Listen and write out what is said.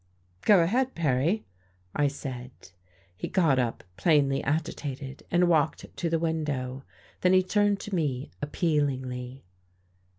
"Go ahead, Perry," I said. He got up, plainly agitated, and walked to the window. Then he turned to me appealingly.